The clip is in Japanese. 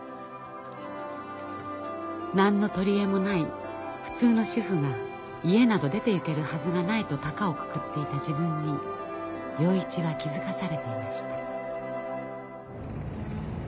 何の取り柄もない普通の主婦が家など出ていけるはずがないとたかをくくっていた自分に洋一は気付かされていました。